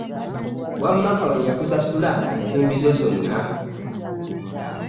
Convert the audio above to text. Wamma Kawere yakusasula ensimbi zo zonna?